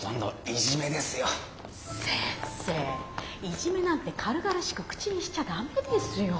イジメなんて軽々しく口にしちゃダメですよ。